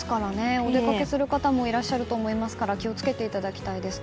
お出かけする方もいらっしゃると思いますから気を付けていただきたいですね。